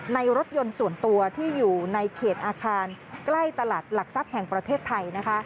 รถยนต์ส่วนตัวที่อยู่ในเขตอาคารใกล้ตลาดหลักทรัพย์แห่งประเทศไทย